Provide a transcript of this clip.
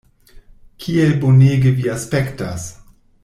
Kiel bonege vi aspektas!